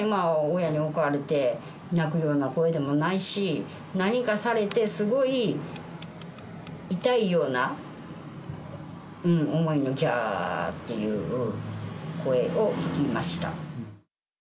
親に怒られて泣くような声でもないし、何かされて、すごい痛いような思いの、ぎゃーっていう声を聞きました。